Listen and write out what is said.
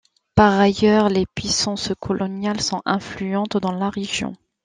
Par ailleurs, les puissances coloniales sont influentes dans la région.